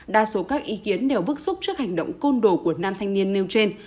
đa số các ý kiến đều bức xúc trước hành động côn đồ của nam thanh niên nêu trên